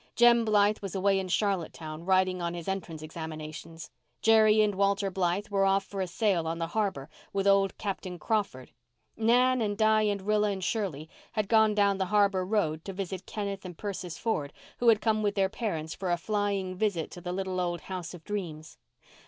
Jem Blythe was away in Charlottetown, writing on his entrance examinations. Jerry and Walter Blythe were off for a sail on the harbour with old Captain Crawford. Nan and Di and Rilla and Shirley had gone down the harbour road to visit Kenneth and Persis Ford, who had come with their parents for a flying visit to the little old House of Dreams.